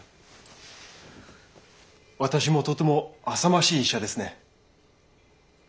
私もとてもあさましい医者ですね。